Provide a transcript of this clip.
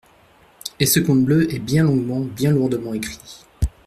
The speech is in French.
Et ce conte bleu est bien longuement, bien lourdement écrit.